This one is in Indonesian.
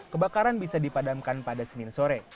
kebakaran bisa dipadamkan pada senin sore